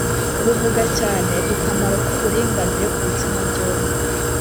buvuga cyane ku kamaro k’uburinganire ku bitsina byombi